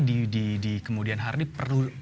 di kemudian hari perlu